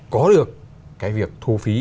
có được cái việc thu phí